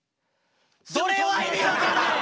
それは意味分からん！